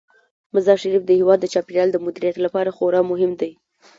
مزارشریف د هیواد د چاپیریال د مدیریت لپاره خورا مهم دی.